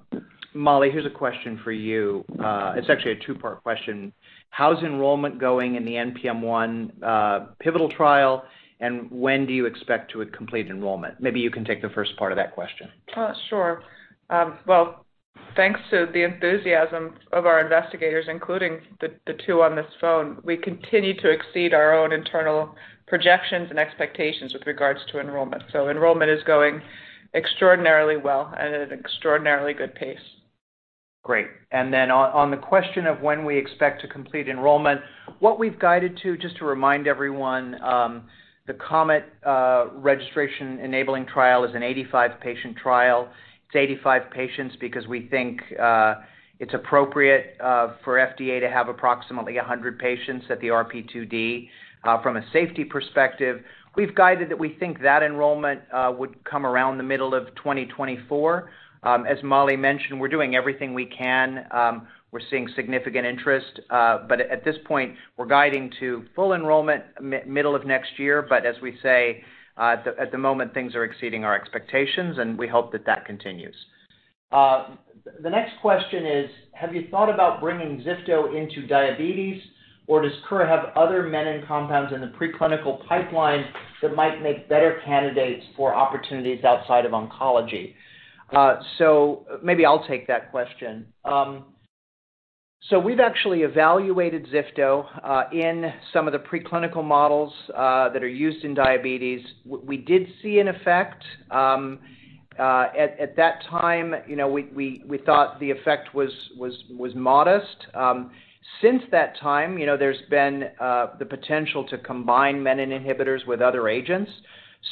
here's a question for you. It's actually a two-part question: How's enrollment going in the NPM1 pivotal trial, and when do you expect to complete enrollment? Maybe you can take the first part of that question. Sure. Well, thanks to the enthusiasm of our investigators, including the two on this phone, we continue to exceed our own internal projections and expectations with regards to enrollment. Enrollment is going extraordinarily well and at an extraordinarily good pace. Great. Then on the question of when we expect to complete enrollment, what we've guided to, just to remind everyone, the KOMET registration-enabling trial is an 85 patient trial. It's 85 patients because we think it's appropriate for FDA to have approximately 100 patients at the RP2D. From a safety perspective, we've guided that we think that enrollment would come around the middle of 2024. As Mollie mentioned, we're doing everything we can. We're seeing significant interest, but at this point, we're guiding to full enrollment middle of next year. As we say, at the moment, things are exceeding our expectations, and we hope that that continues. The next question is: Have you thought about bringing ziftomenib into diabetes, or does Kura have other menin compounds in the preclinical pipeline that might make better candidates for opportunities outside of oncology? Maybe I'll take that question. We've actually evaluated ziftomenib in some of the preclinical models that are used in diabetes. We did see an effect. At that time, you know, we thought the effect was modest. Since that time, you know, there's been the potential to combine menin inhibitors with other agents.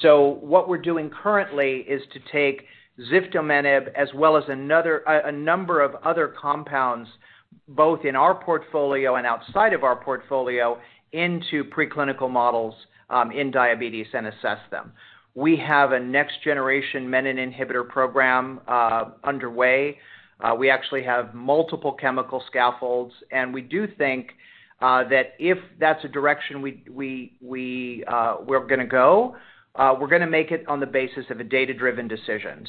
What we're doing currently is to take ziftomenib as well as a number of other compounds, both in our portfolio and outside of our portfolio, into preclinical models in diabetes and assess them. We have a next-generation menin inhibitor program underway. we actually have multiple chemical scaffolds, and we do think that if that's a direction we, we're gonna go, we're gonna make it on the basis of a data-driven decision.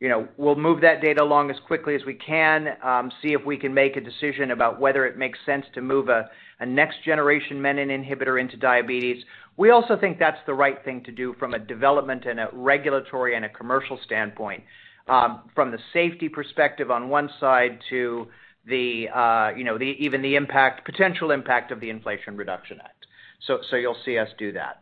you know, we'll move that data along as quickly as we can, see if we can make a decision about whether it makes sense to move a next-generation menin inhibitor into diabetes. We also think that's the right thing to do from a development and a regulatory and a commercial standpoint, from the safety perspective on one side to the, you know, the even the impact, potential impact of the Inflation Reduction Act. You'll see us do that.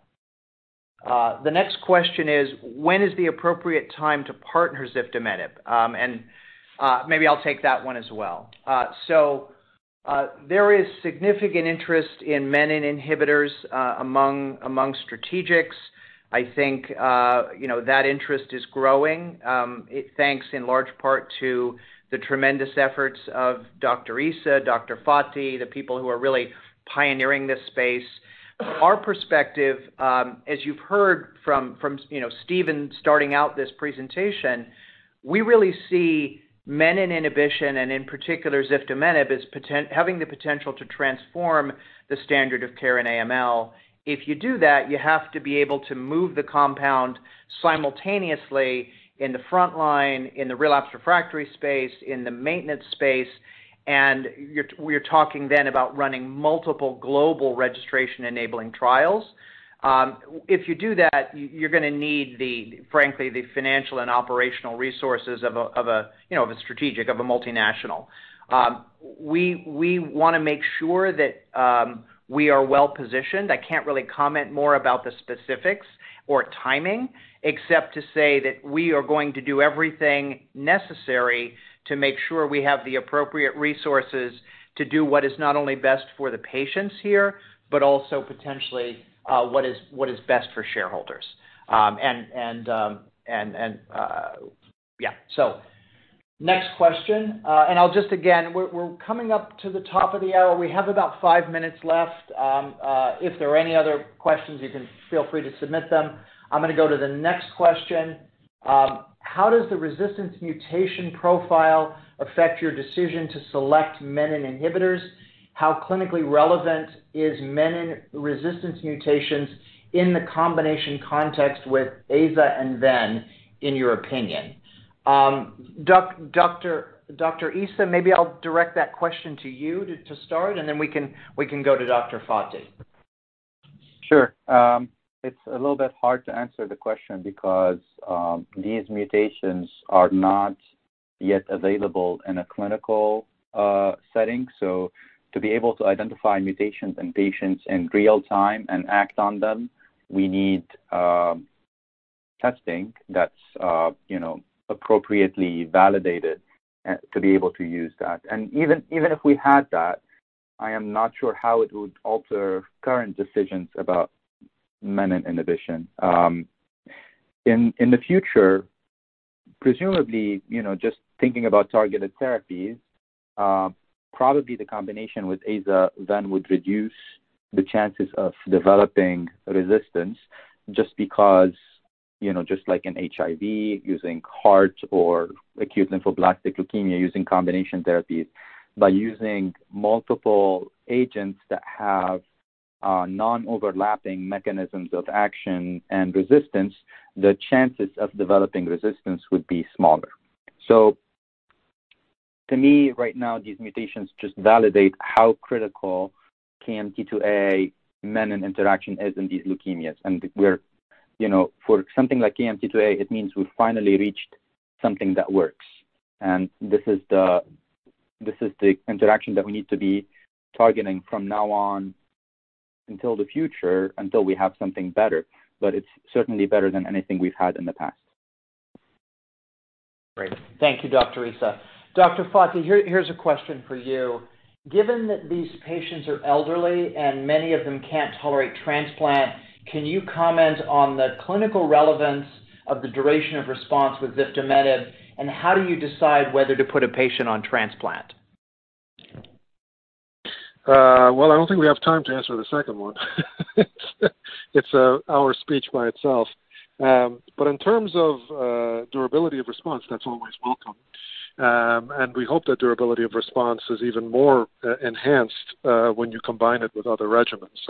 The next question is: When is the appropriate time to partner ziftomenib? Maybe I'll take that one as well. There is significant interest in menin inhibitors among strategics. I think, you know, that interest is growing, thanks in large part to the tremendous efforts of Dr. Issa, Dr. Fathi, the people who are really pioneering this space. Our perspective, as you've heard from, you know, Stephen, starting out this presentation, we really see menin inhibition, and in particular, ziftomenib, having the potential to transform the standard of care in AML. If you do that, you have to be able to move the compound simultaneously in the front line, in the relapsed refractory space, in the maintenance space, we're talking then about running multiple global registration-enabling trials. If you do that, you're gonna need the, frankly, the financial and operational resources of a, you know, of a strategic, of a multinational. We, we wanna make sure that we are well-positioned. I can't really comment more about the specifics or timing, except to say that we are going to do everything necessary to make sure we have the appropriate resources to do what is not only best for the patients here, but also potentially what is best for shareholders. Yeah. Next question, I'll just again, we're coming up to the top of the hour. We have about 5 minutes left. If there are any other questions, you can feel free to submit them. I'm gonna go to the next question. How does the resistance mutation profile affect your decision to select menin inhibitors? How clinically relevant is menin resistance mutations in the combination context with azacytidine and venetoclax, in your opinion? Dr. Issa, maybe I'll direct that question to you to start, and then we can go to Dr. Fathi. Sure. It's a little bit hard to answer the question because these mutations are not yet available in a clinical setting. To be able to identify mutations in patients in real time and act on them, we need testing that's, you know, appropriately validated to be able to use that. Even, even if we had that, I am not sure how it would alter current decisions about menin inhibition. In, in the future, presumably, you know, just thinking about targeted therapies, probably the combination with azacytidine then would reduce the chances of developing resistance just because, you know, just like in HIV, using HAART or acute lymphoblastic leukemia, using combination therapies, by using multiple agents that have non-overlapping mechanisms of action and resistance, the chances of developing resistance would be smaller. To me, right now, these mutations just validate how critical menin-KMT2A interaction is in these leukemias, and we're, you know... For something like KMT2A, it means we finally reached something that works, and this is the interaction that we need to be targeting from now on until the future, until we have something better. It's certainly better than anything we've had in the past. Great. Thank you, Dr. Issa. Dr. Fathi, here's a question for you: Given that these patients are elderly and many of them can't tolerate transplant, can you comment on the clinical relevance of the duration of response with ziftomenib, how do you decide whether to put a patient on transplant? Well, I don't think we have time to answer the second one. It's our speech by itself. In terms of durability of response, that's always welcome. We hope that durability of response is even more enhanced when you combine it with other regimens.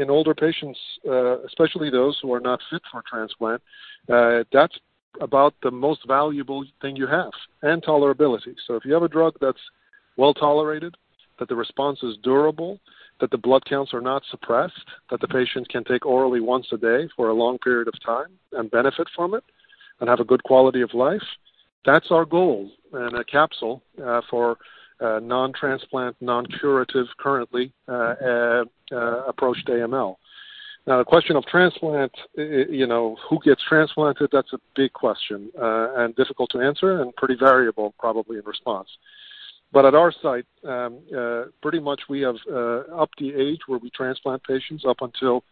In older patients, especially those who are not fit for transplant, that's about the most valuable thing you have, and tolerability. If you have a drug that's well-tolerated, that the response is durable, that the blood counts are not suppressed, that the patient can take orally once a day for a long period of time and benefit from it and have a good quality of life. That's our goal, and a capsule for non-transplant, non-curative, currently approached AML. The question of transplant, you know, who gets transplanted, that's a big question, and difficult to answer and pretty variable, probably in response. At our site, pretty much we have upped the age where we transplant patients up until,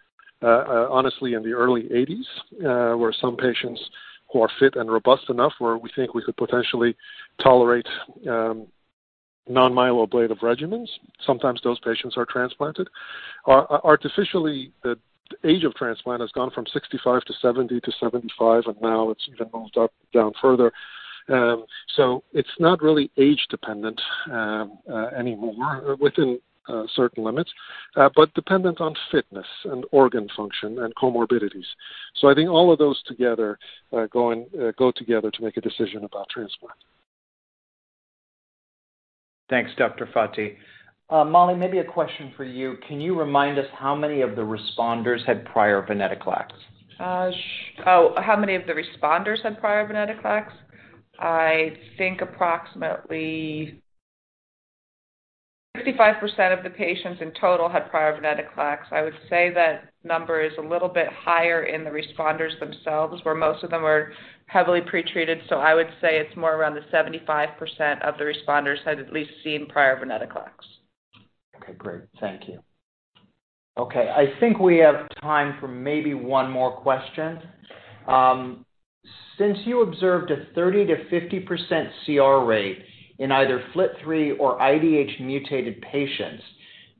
honestly, in the early 80s, where some patients who are fit and robust enough, where we think we could potentially tolerate non-myeloablative regimens, sometimes those patients are transplanted. Artificially, the age of transplant has gone from 65 to 70 to 75, and now it's even moved up, down further. It's not really age dependent anymore, within certain limits, but dependent on fitness and organ function and comorbidities. I think all of those together go and go together to make a decision about transplant. Thanks, Dr. Fathi. Mollie, maybe a question for you. Can you remind us how many of the responders had prior venetoclax? Oh, how many of the responders had prior venetoclax? I think approximately 55% of the patients in total had prior venetoclax. I would say that number is a little bit higher in the responders themselves, where most of them are heavily pretreated. I would say it's more around the 75% of the responders had at least seen prior venetoclax. Okay, great. Thank you. I think we have time for maybe one more question. Since you observed a 30%-50% CR rate in either FLT3 or IDH-mutated patients,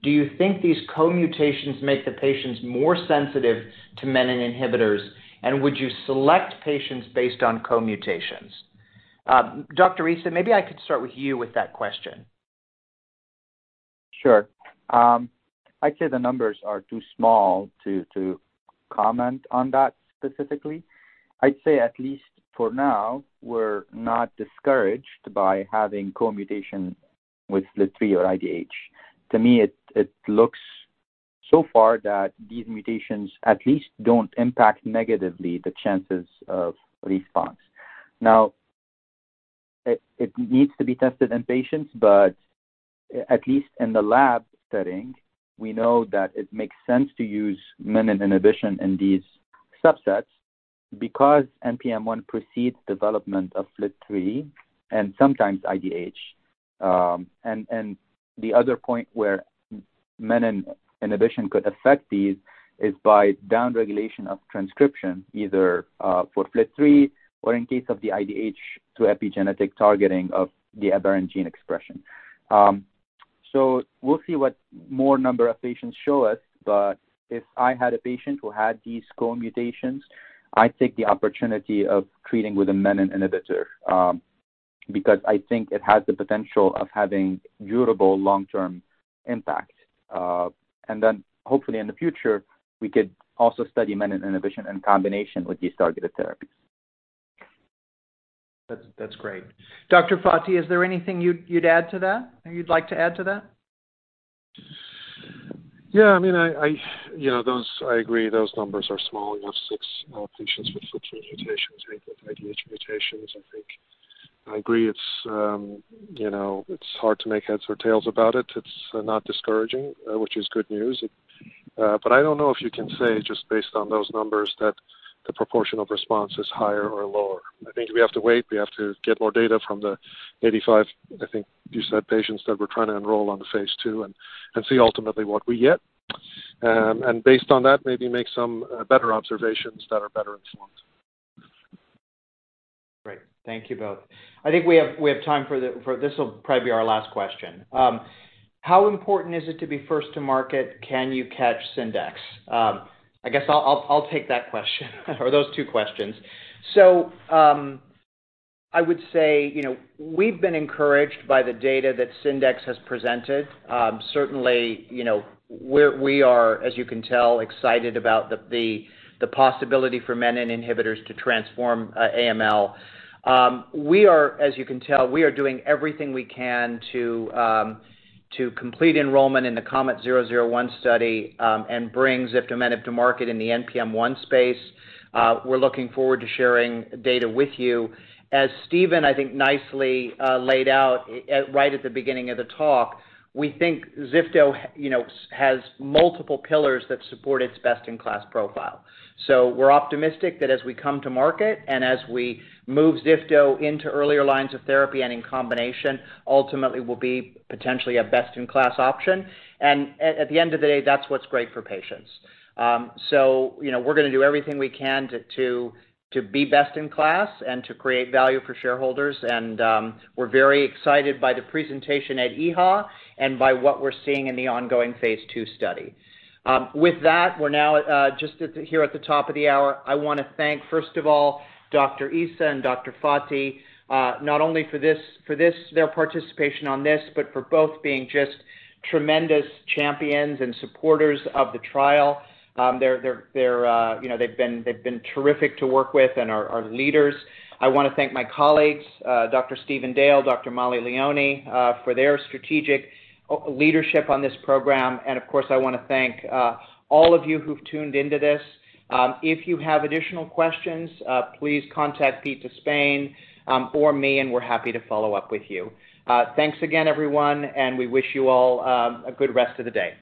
do you think these co-mutations make the patients more sensitive to menin inhibitors, and would you select patients based on co-mutations? Dr. Issa, maybe I could start with you with that question. Sure. I'd say the numbers are too small to comment on that specifically. I'd say, at least for now, we're not discouraged by having co-mutation with FLT3 or IDH. To me, it looks so far that these mutations at least don't impact negatively the chances of response. It needs to be tested in patients, but at least in the lab setting, we know that it makes sense to use menin inhibition in these subsets because NPM1 precedes development of FLT3 and sometimes IDH. The other point where menin inhibition could affect these is by downregulation of transcription, either for FLT3 or in case of the IDH to epigenetic targeting of the aberrant gene expression. We'll see what more number of patients show us, but if I had a patient who had these co-mutations, I'd take the opportunity of treating with a menin inhibitor, because I think it has the potential of having durable long-term impact. Then hopefully in the future, we could also study menin inhibition in combination with these targeted therapies. That's great. Dr. Fathi, is there anything you'd add to that, or you'd like to add to that? Yeah, I mean, you know, those, I agree, those numbers are small. You have six patients with FLT3 mutations, eight with IDH mutations, I think. I agree it's, you know, it's hard to make heads or tails about it. It's not discouraging, which is good news. I don't know if you can say, just based on those numbers, that the proportion of response is higher or lower. I think we have to wait. We have to get more data from the 85, I think you said, patients that we're trying to enroll on the phase II and see ultimately what we get. Based on that, maybe make some better observations that are better informed. Great. Thank you both. I think we have time for the. This will probably be our last question. How important is it to be first to market? Can you catch Syndax? I guess I'll take that question or those two questions. I would say, you know, we've been encouraged by the data that Syndax has presented. Certainly, you know, we are, as you can tell, excited about the possibility for menin inhibitors to transform AML. We are, as you can tell, we are doing everything we can to complete enrollment in the KOMET-001 study and bring ziftomenib to market in the NPM1 space. We're looking forward to sharing data with you. As Stephen, I think, nicely laid out, right at the beginning of the talk, we think ziftomenib, you know, has multiple pillars that support its best-in-class profile. We're optimistic that as we come to market and as we move ziftomenib into earlier lines of therapy and in combination, ultimately will be potentially a best-in-class option. At the end of the day, that's what's great for patients. You know, we're gonna do everything we can to be best in class and to create value for shareholders. We're very excited by the presentation at EHA and by what we're seeing in the ongoing phase II study. With that, we're now just here at the top of the hour. I want to thank, first of all, Dr. Issa and Dr. Fathi, not only for this, their participation on this, but for both being just tremendous champions and supporters of the trial. They're, you know, they've been terrific to work with and are leaders. I want to thank my colleagues, Dr. Stephen Dale, Dr. Mollie Leoni, for their strategic leadership on this program. Of course, I want to thank all of you who've tuned into this. If you have additional questions, please contact Pete De Spain, or me, and we're happy to follow up with you. Thanks again, everyone, and we wish you all a good rest of the day.